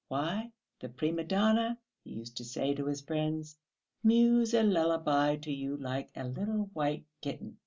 "Why, the prima donna," he used to say to his friends, "mews a lullaby to you like a little white kitten."